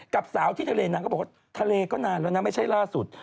กับสาวที่ทะเลนางก็บอกว่าทะเลก็นานแล้วนะไม่ใช่ล่าสุด